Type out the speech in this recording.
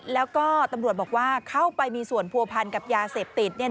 แล้วก็ตำรวจบอกว่าเข้าไปมีส่วนผัวพันกับยาเสพติด